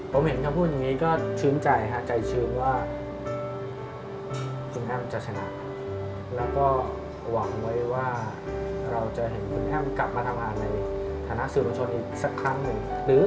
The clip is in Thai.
ผมเห็นเขาพูดอย่างนี้ก็ชื้นใจฮะใจชื้นว่าคุณแอ้มจะชนะแล้วก็หวังไว้ว่าเราจะเห็นคุณแอ้มกลับมาทำงานในฐานะสื่อประชนอีกสักครั้งหนึ่ง